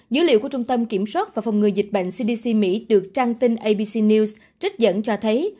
dữ liệu của trung tâm kiểm soát và phòng ngừa dịch bệnh cdc mỹ được trang tin abc news trích dẫn cho thấy